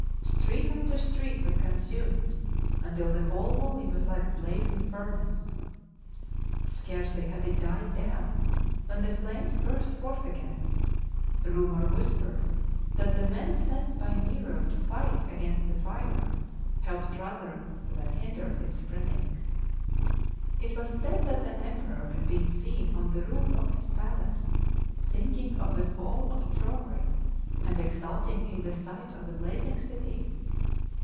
Street after street was consumed until the whole valley was like a blazing furnace. Scarcely had it died down when the flames burst forth again — rumour whispered that the men sent by Nero to fight against the fire helped rather than hindered its spreading. It was said that the Emperor had been seen on the roof of his palace singing of the fall of Troy, and exulting in the sight of the blazing city.